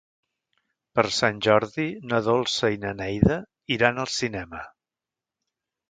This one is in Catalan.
Per Sant Jordi na Dolça i na Neida iran al cinema.